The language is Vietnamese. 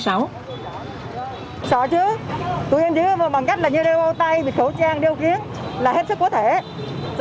chứ tụi em chỉ có bằng cách là như đeo tay bị khẩu trang đeo kiến là hết sức có thể